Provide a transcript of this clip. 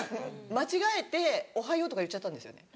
間違えて「おはよう」とか言っちゃったんですよね